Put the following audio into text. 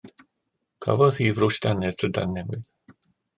Cafodd hi frwsh dannedd trydan newydd.